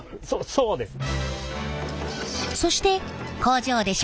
そうですね。